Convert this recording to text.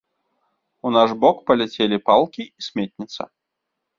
У наш бок паляцелі палкі і сметніца.